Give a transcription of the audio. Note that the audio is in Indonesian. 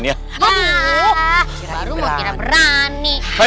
ya baru mau kira berani